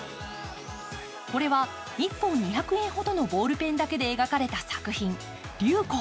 これは１本２００円ほどのポールペンだけで描かれた作品、「龍虎」。